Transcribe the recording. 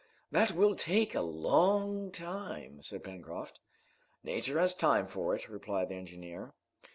"That will take a long time," said Pencroft. "Nature has time for it," replied the engineer.